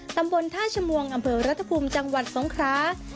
ตำบลท่าชมวงอำเภอรัฐภูมิจังหวัดสงครา